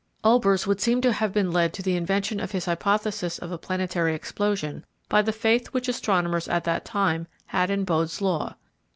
Olbers would seem to have been led to the invention of his hypothesis of a planetary explosion by the faith which astronomers at that time had in Bode's Law.